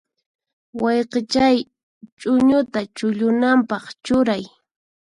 Wayqichay, ch'uñuta chullunanpaq churay.